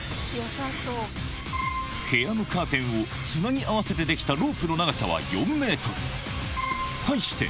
部屋のカーテンをつなぎ合わせてできたロープの長さは対して